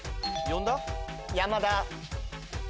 山田。